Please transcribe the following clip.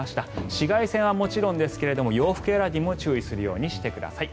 紫外線はもちろんですが洋服選びも注意するようにしてください。